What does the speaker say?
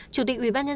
chủ tịch ubnd tỉnh